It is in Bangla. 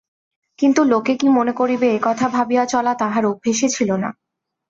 কিন্তু লোকে কী মনে করিবে এ কথা ভাবিয়া চলা তাঁহার অভ্যাসই ছিল না।